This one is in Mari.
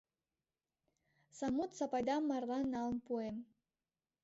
Самут Сапайдам марлан налын пуэм.